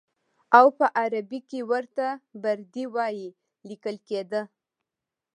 او په عربي کې ورته بردي وایي لیکل کېده.